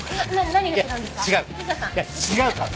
いや違うから。